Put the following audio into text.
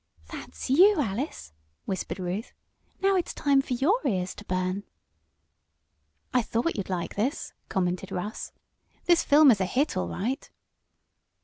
"That's you, Alice," whispered Ruth. "Now it's your turn for your ears to burn." "I thought you'd like this," commented Russ. "This film is a hit, all right."